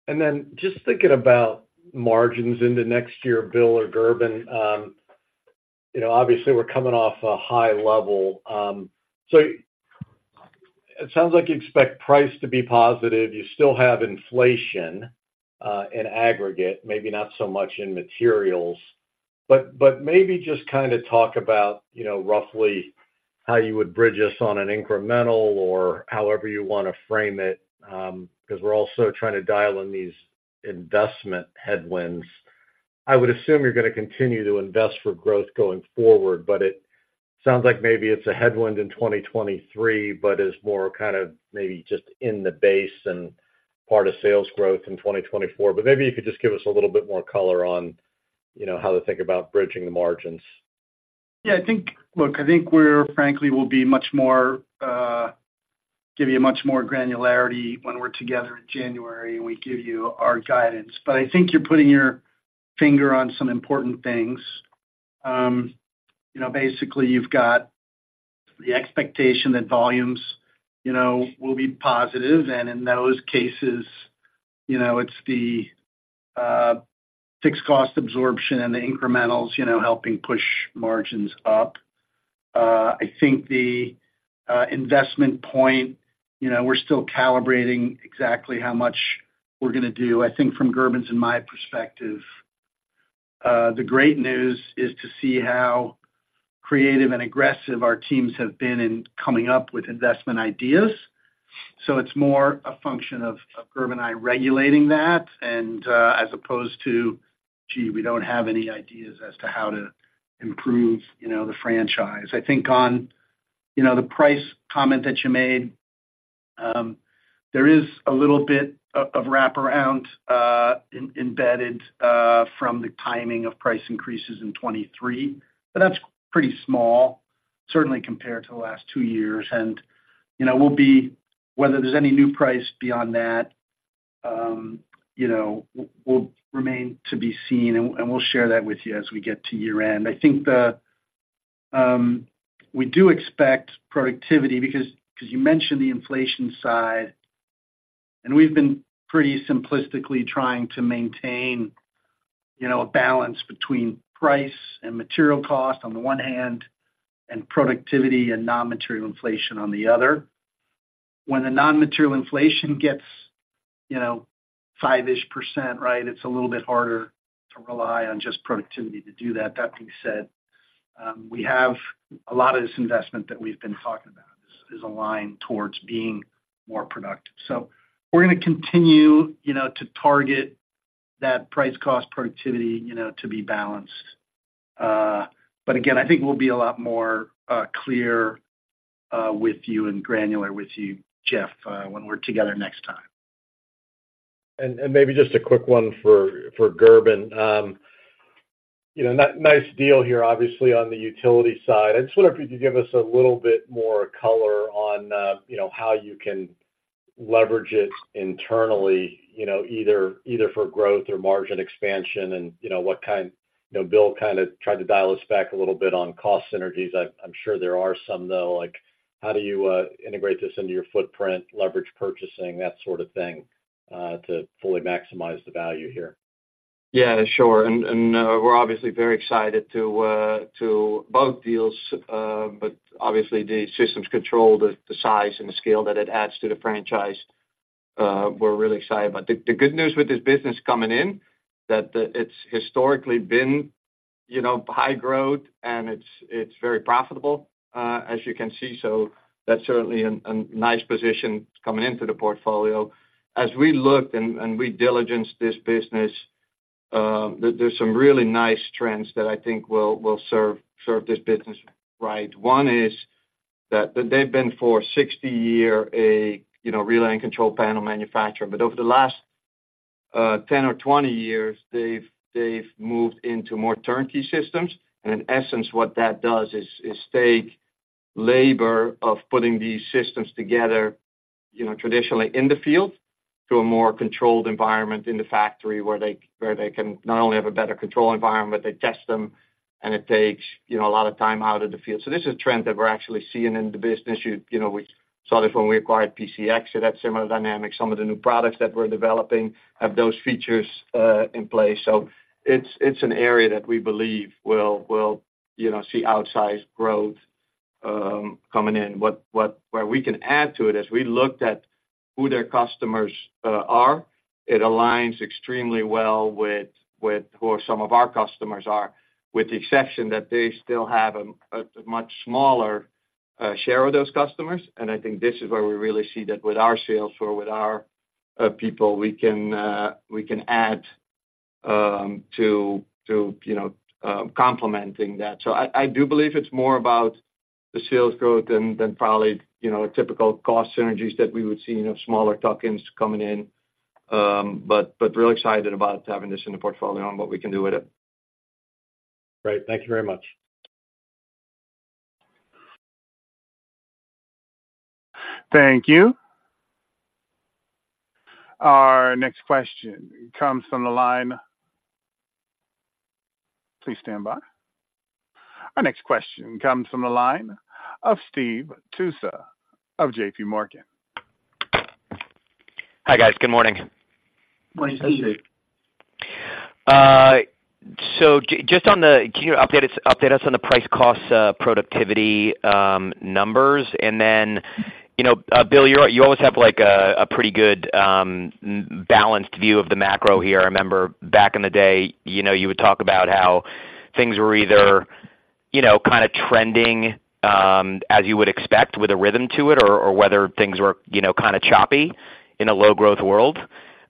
Then just thinking about margins into next year, Bill or Gerben, you know, obviously, we're coming off a high level. So it sounds like you expect price to be positive. You still have inflation, in aggregate, maybe not so much in materials, but, but maybe just kinda talk about, you know, roughly how you would bridge us on an incremental or however you want to frame it, because we're also trying to dial in these investment headwinds. I would assume you're going to continue to invest for growth going forward, but it sounds like maybe it's a headwind in 2023, but is more kind of maybe just in the base and part of sales growth in 2024. But maybe you could just give us a little bit more color on, you know, how to think about bridging the margins. Yeah, I think... Look, I think we're frankly, will be much more, give you much more granularity when we're together in January, and we give you our guidance. But I think you're putting your finger on some important things. You know, basically, you've got the expectation that volumes, you know, will be positive, and in those cases, you know, it's the, fixed cost absorption and the incrementals, you know, helping push margins up. I think the, investment point, you know, we're still calibrating exactly how much we're going to do. I think from Gerben's and my perspective, the great news is to see how creative and aggressive our teams have been in coming up with investment ideas. So it's more a function of Gerben and I regulating that, and as opposed to, "Gee, we don't have any ideas as to how to improve, you know, the franchise." I think on, you know, the price comment that you made, there is a little bit of wraparound embedded from the timing of price increases in 2023, but that's pretty small, certainly compared to the last two years. You know, we'll be whether there's any new price beyond that, you know, will remain to be seen, and we'll share that with you as we get to year-end. I think we do expect productivity because you mentioned the inflation side, and we've been pretty simplistically trying to maintain, you know, a balance between price and material cost on the one hand, and productivity and non-material inflation on the other. When the non-material inflation gets, you know, 5-ish%, right, it's a little bit harder to rely on just productivity to do that. That being said, we have a lot of this investment that we've been talking about is aligned towards being more productive. So we're going to continue, you know, to target that price, cost, productivity, you know, to be balanced. But again, I think we'll be a lot more clear with you and granular with you, Jeff, when we're together next time. Maybe just a quick one for Gerben. You know, nice deal here, obviously, on the utility side. I just wonder if you could give us a little bit more color on, you know, how you can leverage it internally, you know, either for growth or margin expansion and, you know, what kind. You know, Bill kind of tried to dial us back a little bit on cost synergies. I'm sure there are some, though, like, how do you integrate this into your footprint, leverage purchasing, that sort of thing, to fully maximize the value here? Yeah, sure. And, we're obviously very excited to both deals, but obviously, the Systems Control, the size and the scale that it adds to the franchise. We're really excited about. The good news with this business coming in, that it's historically been, you know, high growth, and it's very profitable, as you can see. So that's certainly a nice position coming into the portfolio. As we looked and we diligenced this business, there, there's some really nice trends that I think will serve this business right. One is that they've been for 60 years, you know, a relay and control panel manufacturer, but over the last 10 or 20 years, they've moved into more turnkey systems. In essence, what that does is take labor of putting these systems together, you know, traditionally in the field, to a more controlled environment in the factory, where they can not only have a better control environment, but they test them, and it takes, you know, a lot of time out of the field. So this is a trend that we're actually seeing in the business. You know, we saw this when we acquired PCX, so that's similar dynamics. Some of the new products that we're developing have those features in place. So it's an area that we believe will, you know, see outsized growth coming in. What we where we can add to it, as we looked at who their customers are, it aligns extremely well with, with who some of our customers are, with the exception that they still have a much smaller share of those customers. I think this is where we really see that with our sales force, with our people, we can, we can add to, to, you know, complementing that. So I, I do believe it's more about the sales growth than, than probably, you know, typical cost synergies that we would see in smaller tuck-ins coming in. But, but, real excited about having this in the portfolio and what we can do with it. Great. Thank you very much. Thank you. Our next question comes from the line... Please stand by. Our next question comes from the line of Steve Tusa of JPMorgan. Hi, guys. Good morning. Morning, Steve. So just on the—can you update us, update us on the price-cost productivity numbers? And then, you know, Bill, you're - you always have, like, a pretty good balanced view of the macro here. I remember back in the day, you know, you would talk about how things were either, you know, kind of trending as you would expect with a rhythm to it, or whether things were, you know, kind of choppy in a low-growth world.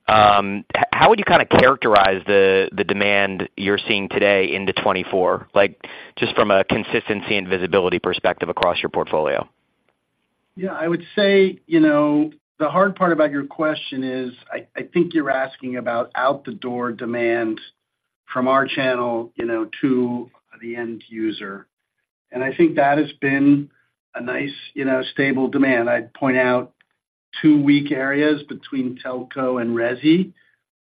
How would you kind of characterize the demand you're seeing today into 2024, like, just from a consistency and visibility perspective across your portfolio? Yeah, I would say, you know, the hard part about your question is, I think you're asking about out-the-door demand from our channel, you know, to the end user. And I think that has been a nice, you know, stable demand. I'd point out two weak areas between telco and resi,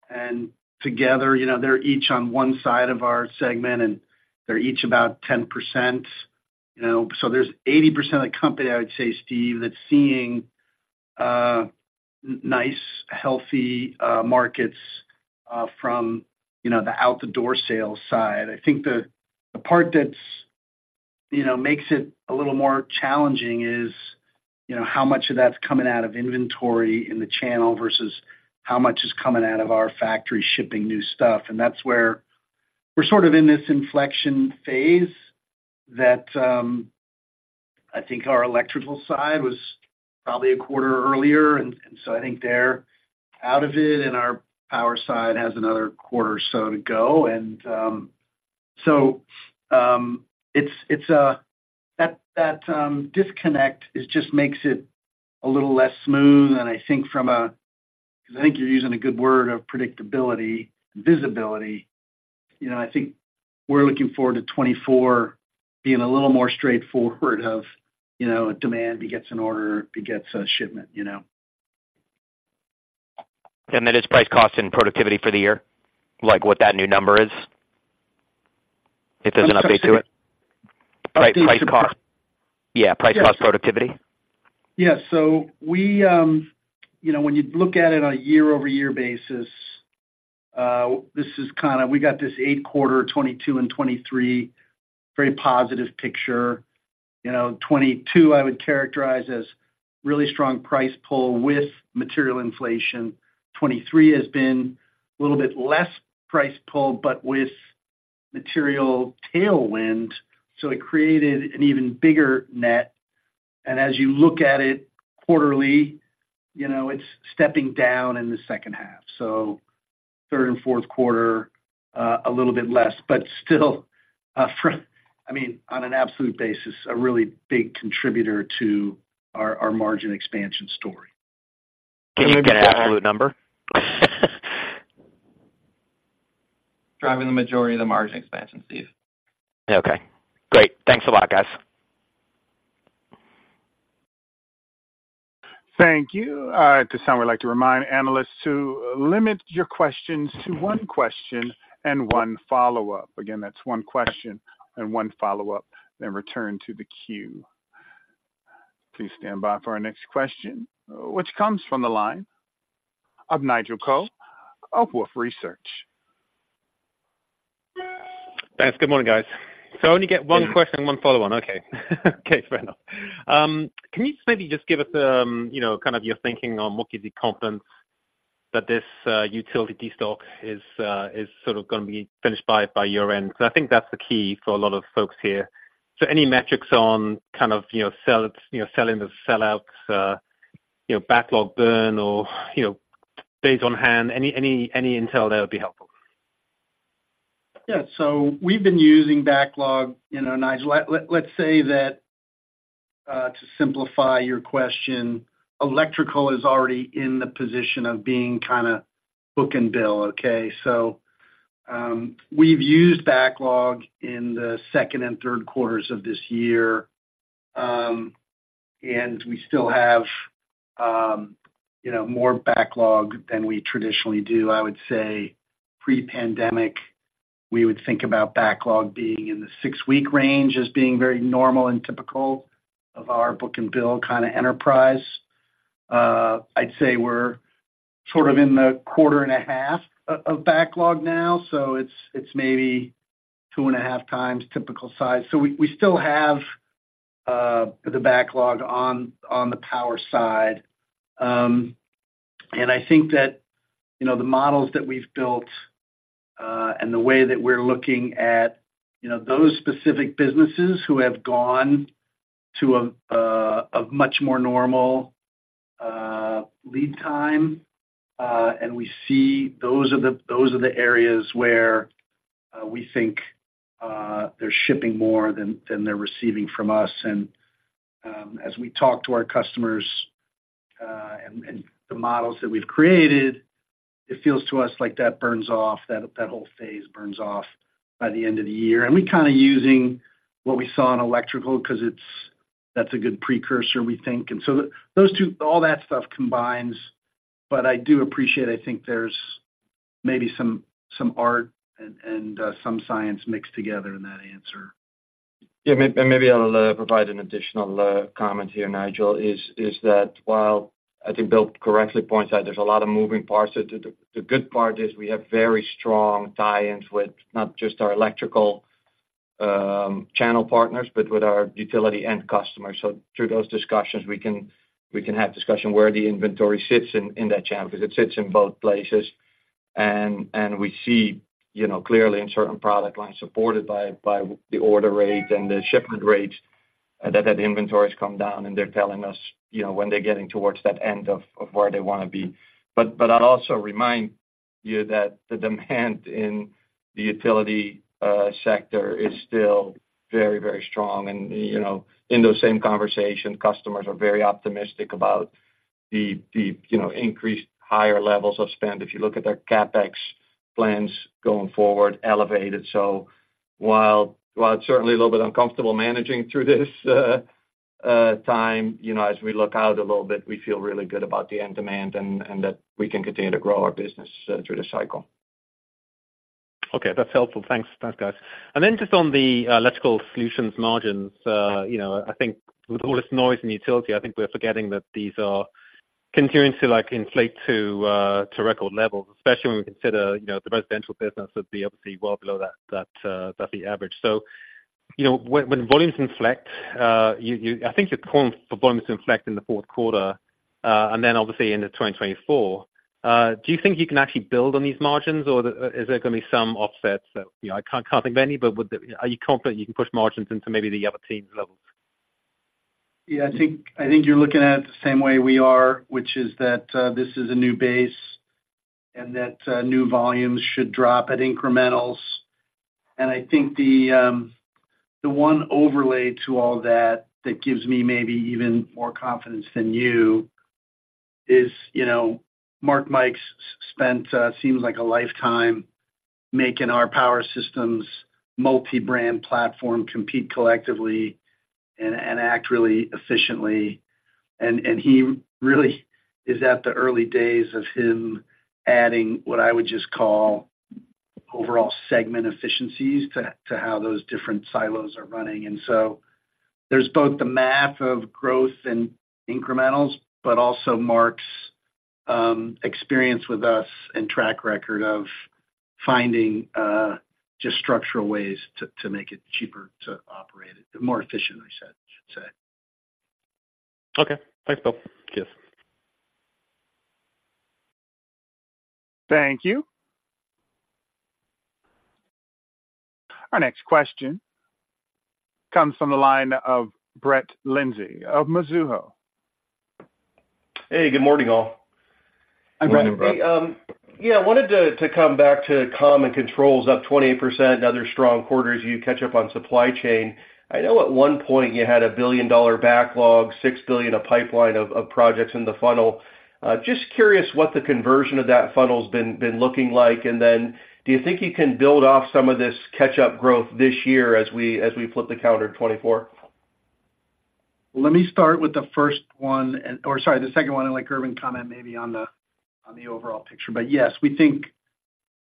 and together, you know, they're each on one side of our segment, and they're each about 10%, you know. So there's 80% of the company, I would say, Steve, that's seeing nice, healthy markets from, you know, the out-the-door sales side. I think the part that's, you know, makes it a little more challenging is, you know, how much of that's coming out of inventory in the channel versus how much is coming out of our factory shipping new stuff. That's where we're sort of in this inflection phase that I think our electrical side was probably a quarter earlier, and so I think they're out of it, and our power side has another quarter or so to go. So it's that disconnect that just makes it a little less smooth. Because I think you're using a good word of predictability, visibility. You know, I think we're looking forward to 2024 being a little more straightforward of, you know, a demand begets an order, begets a shipment, you know? That is price, cost, and productivity for the year? Like, what that new number is, if there's an update to it. I'm sorry, Steve. [CROSSTALK] price, price cost. Yeah, price- Yes... plus productivity. Yeah. So we, you know, when you look at it on a year-over-year basis, this is kind of we got this 8-quarter, 2022 and 2023, very positive picture. You know, 2022, I would characterize as really strong price pull with material inflation. 2023 has been a little bit less price pull, but with material tailwind, so it created an even bigger net. And as you look at it quarterly, you know, it's stepping down in the second half. So third and fourth quarter, a little bit less, but still, I mean, on an absolute basis, a really big contributor to our, our margin expansion story. Can you get an absolute number? Driving the majority of the margin expansion, Steve. Okay, great. Thanks a lot, guys. Thank you. At this time, we'd like to remind analysts to limit your questions to one question and one follow-up. Again, that's one question and one follow-up, then return to the queue. Please stand by for our next question, which comes from the line of Nigel Coe of Wolfe Research. Thanks. Good morning, guys. So I only get one question and one follow-on? Okay. Okay, fair enough. Can you maybe just give us, you know, kind of your thinking on what gives you confidence that this utility stock is sort of gonna be finished by year-end? Because I think that's the key for a lot of folks here. So any metrics on kind of, you know, selling the sell outs, you know, backlog burn or, you know, days on hand? Any intel there would be helpful. Yeah. So we've been using backlog, you know, Nigel, let's say that to simplify your question, electrical is already in the position of being kinda book and bill, okay? So, we've used backlog in the second and third quarters of this year. And we still have, you know, more backlog than we traditionally do. I would say pre-pandemic, we would think about backlog being in the 6-week range as being very normal and typical of our book and bill kinda enterprise. I'd say we're sort of in the quarter and a half of backlog now, so it's maybe 2.5 times typical size. So we still have the backlog on the power side. And I think that, you know, the models that we've built, and the way that we're looking at, you know, those specific businesses who have gone to a, a much more normal, lead time, and we see those are the, those are the areas where, we think, they're shipping more than, than they're receiving from us. And, as we talk to our customers, and, and the models that we've created, it feels to us like that burns off, that, that whole phase burns off by the end of the year. And we're kinda using what we saw in electrical, 'cause it's, that's a good precursor, we think. And so the, those two, all that stuff combines. But I do appreciate, I think there's maybe some, some art and, and, some science mixed together in that answer. Yeah, and maybe I'll provide an additional comment here, Nigel, is that while I think Bill correctly points out there's a lot of moving parts, so the good part is we have very strong tie-ins with not just our electrical channel partners, but with our utility end customers. So through those discussions, we can have discussion where the inventory sits in that channel, because it sits in both places. And we see, you know, clearly in certain product lines, supported by the order rates and the shipment rates, that inventory has come down, and they're telling us, you know, when they're getting towards that end of where they wanna be. But I'd also remind you that the demand in the utility sector is still very, very strong. You know, in those same conversation, customers are very optimistic about the you know, increased higher levels of spend. If you look at their CapEx plans going forward, elevated. So while it's certainly a little bit uncomfortable managing through this time, you know, as we look out a little bit, we feel really good about the end demand and that we can continue to grow our business through the cycle. Okay, that's helpful. Thanks. Thanks, guys. And then just on the Electrical Solutions margins, you know, I think with all this noise in utility, I think we're forgetting that these are continuing to, like, inflate to record levels, especially when we consider, you know, the residential business would be obviously well below that the average. So, you know, when volumes inflect, you-- I think you're calling for volumes to inflect in the fourth quarter, and then obviously into 2024. Do you think you can actually build on these margins, or is there gonna be some offsets? So, you know, I can't think of any, but would the... Are you confident you can push margins into maybe the other teens levels? Yeah, I think, I think you're looking at it the same way we are, which is that, this is a new base, and that, new volumes should drop at incrementals. And I think the, the one overlay to all that, that gives me maybe even more confidence than you is, you know, Mark Mikes spent, seems like a lifetime making our Power Systems multi-brand platform compete collectively and, and act really efficiently. And he really is at the early days of him adding what I would just call overall segment efficiencies to, to how those different silos are running. And so there's both the math of growth and incrementals, but also Mikes' experience with us and track record of finding, just structural ways to, to make it cheaper to operate it, more efficiently set, I should say. Okay. Thanks, Bill. Cheers. Thank you. Our next question comes from the line of Brett Linzey of Mizuho. Hey, good morning, all. Hi, Brett. Morning, Brett. Yeah, I wanted to come back to comm and controls up 28%, another strong quarter as you catch up on supply chain. I know at one point you had a $1 billion backlog, $6 billion of pipeline of projects in the funnel. Just curious what the conversion of that funnel has been looking like. And then, do you think you can build off some of this catch-up growth this year as we flip the calendar to 2024? Let me start with the first one and or sorry, the second one, and let Gerben comment maybe on the overall picture. But yes, we think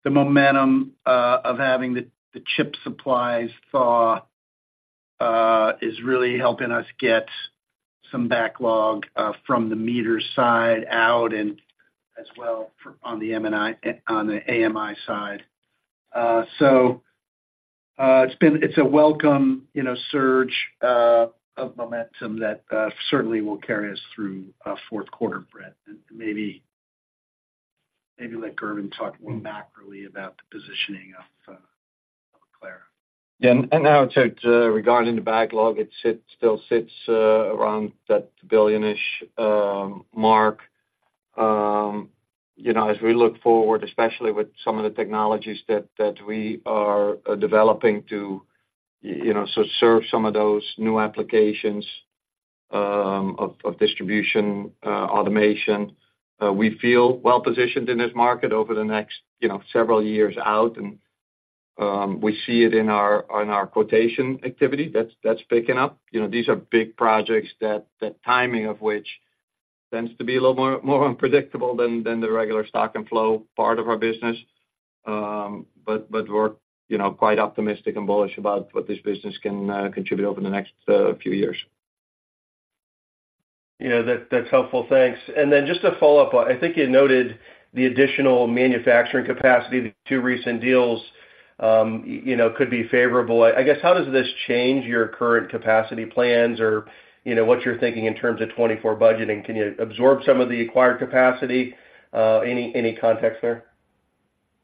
the momentum of having the chip supplies thawing is really helping us get some backlog from the meter side out and as well for on the M&I, on the AMI side. So, it's been—it's a welcome, you know, surge of momentum that certainly will carry us through fourth quarter, Brett, and maybe, maybe let Gerben talk more macroly about the positioning of Aclara. Yeah, and now, regarding the backlog, it still sits around that $1 billion-ish mark. You know, as we look forward, especially with some of the technologies that we are developing to, you know, so serve some of those new applications of distribution automation, we feel well-positioned in this market over the next, you know, several years out. And we see it on our quotation activity, that's picking up. You know, these are big projects that the timing of which tends to be a little more unpredictable than the regular stock and flow part of our business. But we're, you know, quite optimistic and bullish about what this business can contribute over the next few years. You know, that, that's helpful. Thanks. And then just to follow up, I think you noted the additional manufacturing capacity, the two recent deals, you know, could be favorable. I guess, how does this change your current capacity plans or, you know, what you're thinking in terms of 2024 budgeting? Can you absorb some of the acquired capacity? Any context there?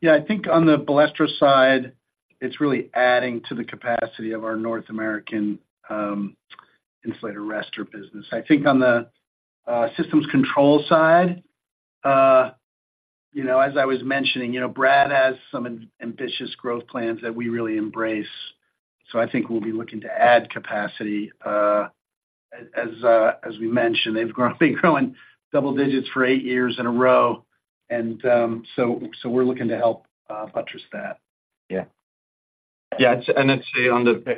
Yeah, I think on the Balestro side, it's really adding to the capacity of our North American insulator arrester business. I think on the Systems Control side, you know, as I was mentioning, you know, Brad has some ambitious growth plans that we really embrace. So I think we'll be looking to add capacity. As we mentioned, they've grown, been growing double digits for eight years in a row, and so we're looking to help buttress that. Yeah. Yeah, it's and I'd say on the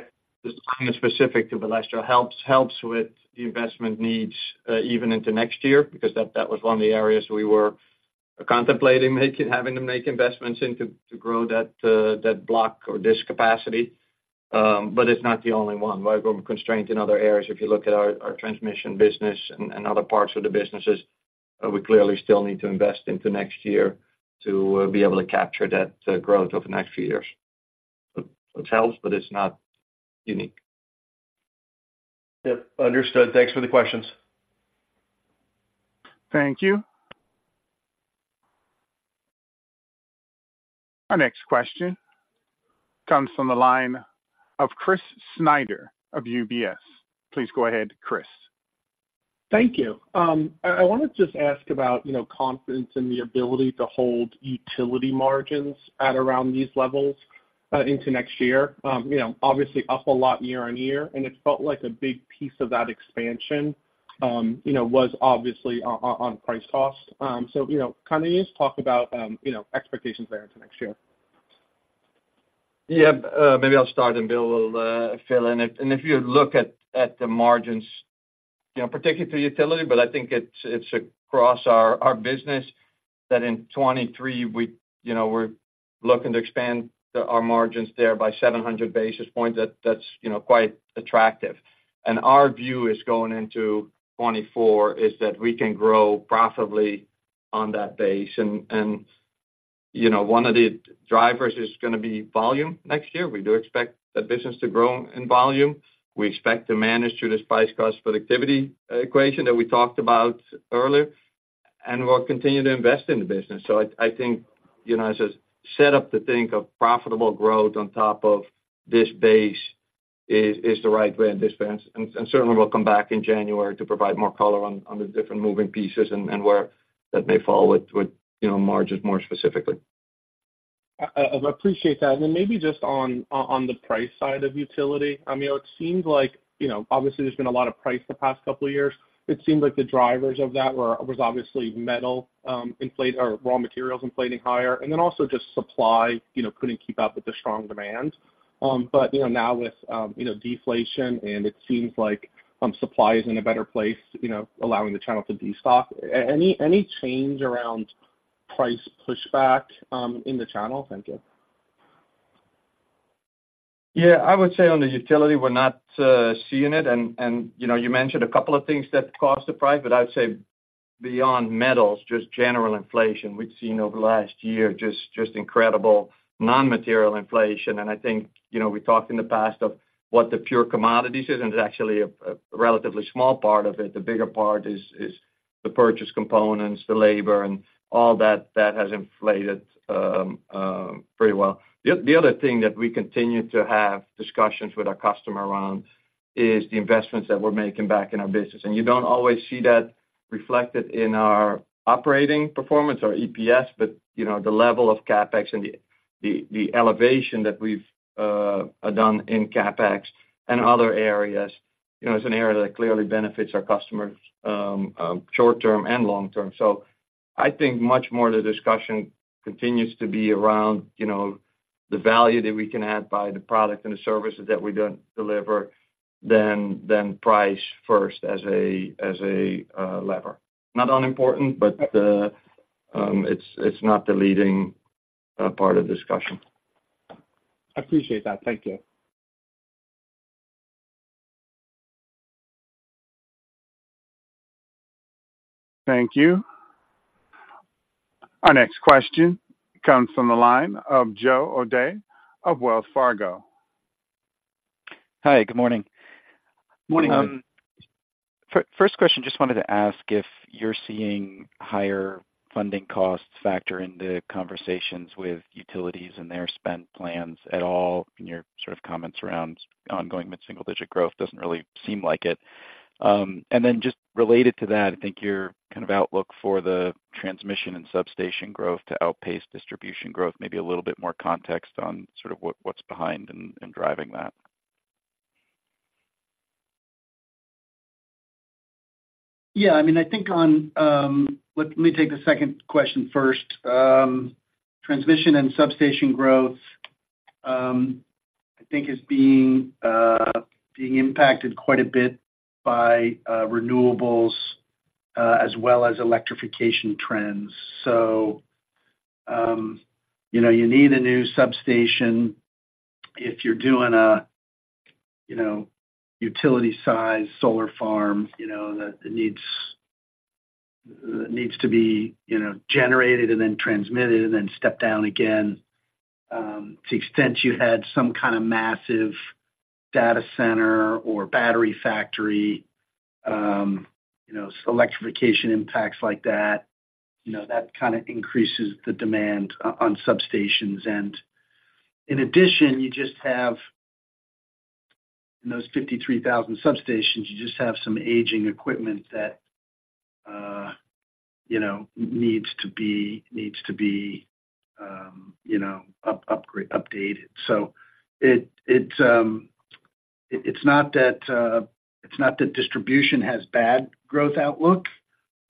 specific to Balestro, helps with the investment needs even into next year, because that was one of the areas we were contemplating having to make investments in to grow that block or this capacity. But it's not the only one. We're constrained in other areas. If you look at our transmission business and other parts of the businesses, we clearly still need to invest into next year to be able to capture that growth over the next few years. It helps, but it's not unique. Yep, understood. Thanks for the questions. Thank you. Our next question comes from the line of Chris Snyder of UBS. Please go ahead, Chris. Thank you. I wanna just ask about, you know, confidence in the ability to hold utility margins at around these levels into next year. You know, obviously up a lot year-on-year, and it felt like a big piece of that expansion, you know, was obviously on price cost. So, you know, can you just talk about, you know, expectations there into next year? Yeah, maybe I'll start and Bill will fill in. And if you look at the margins, you know, particularly utility, but I think it's across our business, that in 2023, we, you know, we're looking to expand our margins there by 700 basis points. That's, you know, quite attractive. And our view is going into 2024, is that we can grow profitably on that base. And, you know, one of the drivers is gonna be volume next year. We do expect the business to grow in volume. We expect to manage through this price cost productivity equation that we talked about earlier, and we'll continue to invest in the business. So I think, you know, as a set up to think of profitable growth on top of this base is the right way at this point. Certainly, we'll come back in January to provide more color on the different moving pieces and where that may fall with, you know, margins more specifically. I appreciate that. And then maybe just on the price side of utility. I mean, it seems like, you know, obviously there's been a lot of price the past couple of years. It seemed like the drivers of that were, was obviously metal, or raw materials inflating higher, and then also just supply, you know, couldn't keep up with the strong demand. But, you know, now with, you know, deflation, and it seems like, supply is in a better place, you know, allowing the channel to destock. Any change around price pushback, in the channel? Thank you. Yeah, I would say on the utility, we're not seeing it, and you know, you mentioned a couple of things that cause the price, but I would say beyond metals, just general inflation. We've seen over the last year, just incredible non-material inflation. And I think, you know, we talked in the past of what the pure commodities is, and it's actually a relatively small part of it. The bigger part is the purchase components, the labor, and all that, that has inflated pretty well. The other thing that we continue to have discussions with our customer around is the investments that we're making back in our business. And you don't always see that reflected in our operating performance or EPS, but, you know, the level of CapEx and the elevation that we've done in CapEx and other areas, you know, is an area that clearly benefits our customers, short term and long term. So I think much more of the discussion continues to be around, you know, the value that we can add by the product and the services that we don't deliver than price first as a lever. Not unimportant, but, it's not the leading a part of discussion. I appreciate that. Thank you. Thank you. Our next question comes from the line of Joe O'Dea of Wells Fargo. Hi, good morning. Morning. First question, just wanted to ask if you're seeing higher funding costs factor into conversations with utilities and their spend plans at all in your sort of comments around ongoing mid-single-digit growth? Doesn't really seem like it. And then just related to that, I think your kind of outlook for the transmission and substation growth to outpace distribution growth, maybe a little bit more context on sort of what's behind and driving that. Yeah, I mean, I think on. Let me take the second question first. Transmission and substation growth, I think is being impacted quite a bit by renewables, as well as electrification trends. So, you know, you need a new substation if you're doing a, you know, utility-size solar farm, you know, that needs to be generated and then transmitted and then stepped down again. To the extent you had some kind of massive data center or battery factory, you know, so electrification impacts like that, you know, that kind of increases the demand on substations. And in addition, you just have, in those 53,000 substations, you just have some aging equipment that, you know, needs to be updated. So it's not that it's not that distribution has bad growth outlook,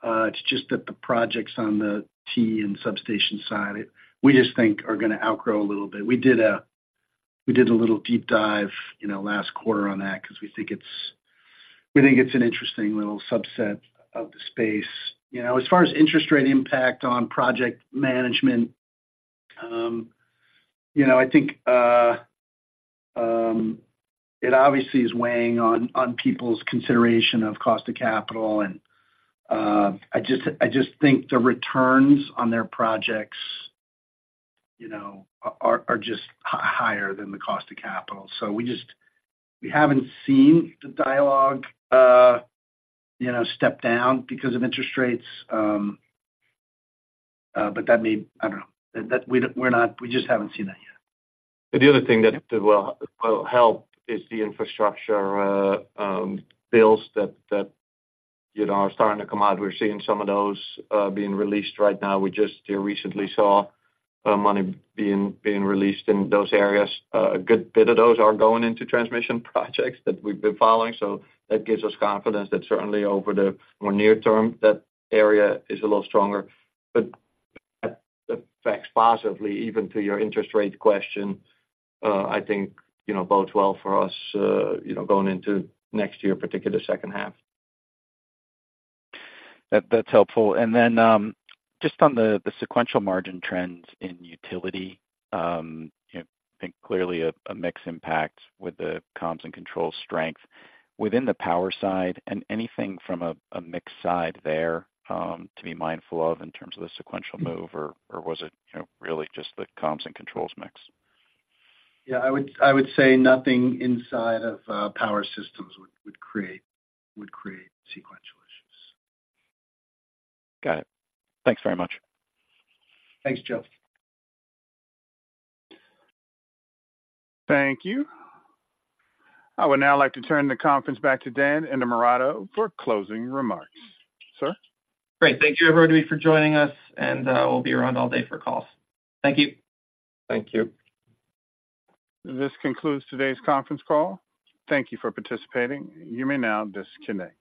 it's just that the projects on the T and substation side, we just think are gonna outgrow a little bit. We did a little deep dive, you know, last quarter on that because we think it's an interesting little subset of the space. You know, as far as interest rate impact on project management, you know, I think it obviously is weighing on people's consideration of cost of capital, and I just think the returns on their projects, you know, are just higher than the cost of capital. So we just... We haven't seen the dialogue, you know, step down because of interest rates, but that may, I don't know. That we, we're not—we just haven't seen that yet. The other thing that will help is the infrastructure bills that you know are starting to come out. We're seeing some of those being released right now. We just recently saw money being released in those areas. A good bit of those are going into transmission projects that we've been following, so that gives us confidence that certainly over the more near term, that area is a little stronger. But that affects positively, even to your interest rate question, I think, you know, bodes well for us, you know, going into next year, particularly the second half. That, that's helpful. And then, just on the, the sequential margin trends in utility, you know, I think clearly a, a mix impact with the comps and control strength. Within the power side and anything from a, a mix side there, to be mindful of in terms of the sequential move, or, or was it, you know, really just the comms and controls mix? Yeah, I would say nothing inside of Power Systems would create sequential issues. Got it. Thanks very much. Thanks, Joe. Thank you. I would now like to turn the conference back to Dan Innamorato for closing remarks. Sir? Great. Thank you, everybody, for joining us, and we'll be around all day for calls. Thank you. Thank you. This concludes today's conference call. Thank you for participating. You may now disconnect.